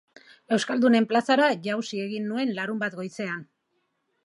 Euskaldunen plazara jauzi egin nuen larunbat goizean.